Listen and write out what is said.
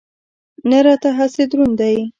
نه راته هسې دروند دی.